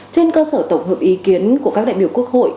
trên cơ sở tổng hợp ý kiến của các đại biểu quốc hội